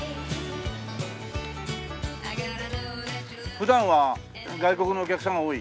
普段は外国のお客さんが多い？